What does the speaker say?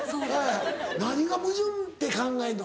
何が矛盾って考えんの？